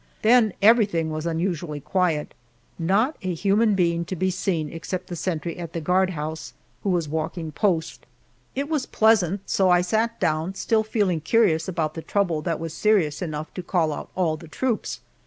Then everything was unusually quiet; not a human being to be seen except the sentry at the guardhouse, who was walking post. It was pleasant, so I sat down, still feeling curious about the trouble that was serious enough to call out all the troops.